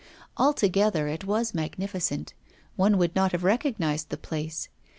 Altogether it was magnificent; one would not have recognised the place.